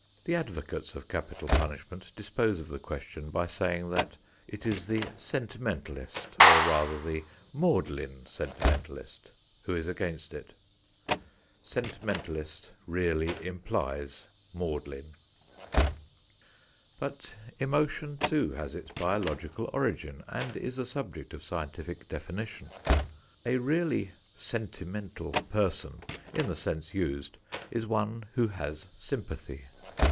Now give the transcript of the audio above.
The advocates of capital punishment dispose of the question by saying that it is the "sentimentalist" or, rather, the "maudlin sentimentalist" who is against it. Sentimentalist really implies "maudlin." But emotion too has its biological origin and is a subject of scientific definition. A really "sentimental" person, in the sense used, is one who has sympathy.